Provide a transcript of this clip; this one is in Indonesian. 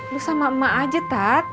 lu sama ma aja tat